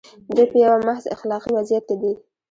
دوی په یوه محض اخلاقي وضعیت کې دي.